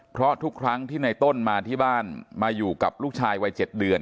เพราะทุกครั้งที่ในต้นมาที่บ้านมาอยู่กับลูกชายวัย๗เดือน